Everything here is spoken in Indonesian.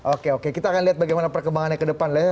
oke oke kita akan lihat bagaimana perkembangannya ke depan